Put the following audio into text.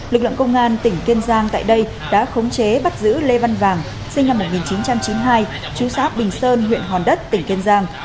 lực lượng công an tỉnh kiên giang tại đây đã khống chế bắt giữ lê văn vàng sinh năm một nghìn chín trăm chín mươi hai chú sáp bình sơn huyện hòn đất tỉnh kiên giang